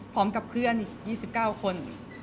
พร้อมกับเพื่อนอีก๒๙คน